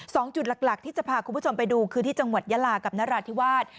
สองจุดหลักที่จะพาคุณผู้ชมไปดูคือที่จังหวัดยาลากับนราธิวาส